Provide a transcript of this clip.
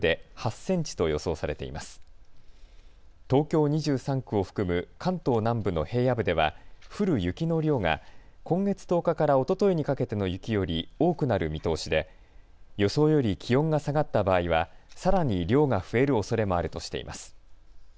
東京２３区を含む、関東南部の平野部では降る雪の量が今月１０日からおとといにかけての雪より多くなる見通しで予想より気温が下がった場合はさらに量が増えるおそれもあるとしています。